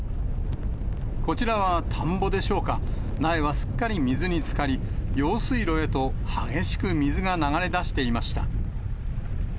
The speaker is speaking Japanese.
こちらは田んぼでしょうか、苗はすっかり水につかり、用水路へと激しく水が流れ出していました。